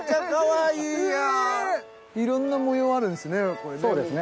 いろんな模様あるんですね。